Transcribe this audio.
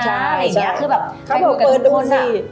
เข้าพูดกับทุกคน